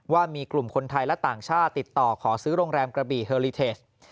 ว่ามีกลุ่มคนไทยและต่างชาติติดต่อขอซื้อโรงแรมกระบี่เฮอลิเทส